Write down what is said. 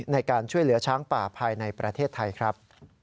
ในการช่วยเหลือช้างป่าภายในประเทศไทยครับ